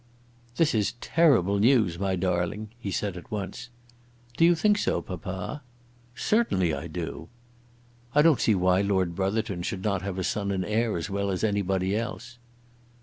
"This is terrible news, my darling," he said at once. "Do you think so, papa?" "Certainly I do." "I don't see why Lord Brotherton should not have a son and heir as well as anybody else."